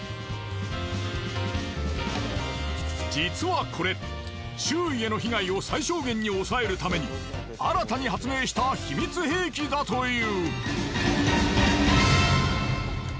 実はこれ周囲への被害を最小限に抑えるために新たに発明した秘密兵器だという。